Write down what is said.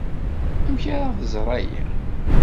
Amek ara tẓer aya?